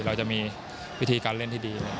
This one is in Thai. เราจะมีวิธีการเล่นที่ดี